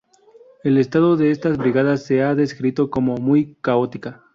El estado de estas brigadas se ha descrito como "muy caótica".